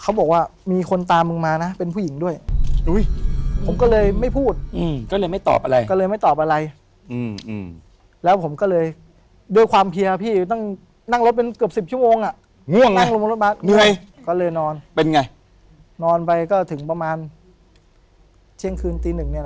ง่วงเลยน้ำมังรถบ๊าสเงื่อยก็เลยนอนมันเป็นไงนอนไปก็ถึงประมาณเชี่ยงคืนตีหนึ่งเนี่ยละ